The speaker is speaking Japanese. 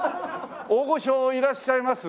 大御所いらっしゃいます？